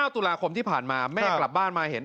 ตุลาคมที่ผ่านมาแม่กลับบ้านมาเห็น